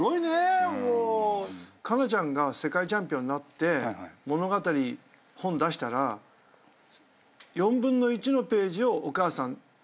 佳那ちゃんが世界チャンピオンになって物語本出したら４分の１のページをお母さん使ってほしい。